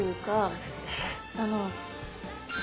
そうですね。